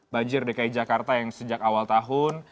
banjir dki jakarta yang sejak awal tahun